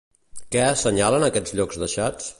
Què assenyalen aquests llocs deixats?